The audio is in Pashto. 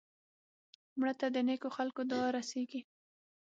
مړه ته د نیکو خلکو دعا رسېږي